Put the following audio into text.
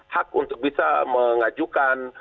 hak untuk bisa mengajukan